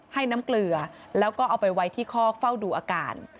ให้น้ำเกลือแล้วก็เอาไปไว้ที่คอกเฝ้าดูอาการ